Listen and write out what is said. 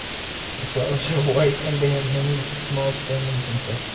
The flowers are white and they have many small stamens inside.